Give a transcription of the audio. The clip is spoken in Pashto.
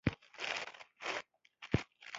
سربیره پر دې کسبګران نور مهارتونه هم باید زده کړي.